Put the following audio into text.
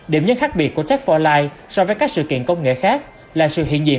điểm nhất khác biệt của tech bốn line so với các sự kiện công nghệ khác là sự hiện diện